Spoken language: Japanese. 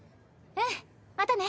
うんまたね。